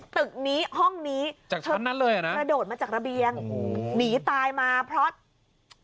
ตึกนี้ห้องนี้มาโดดมาจากระเบียงหนีตายมาเพราะโอ้โห